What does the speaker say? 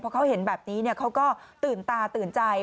เพราะเขาเห็นแบบนี้เขาก็ตื่นตาตื่นใจ